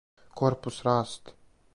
Корпус расте!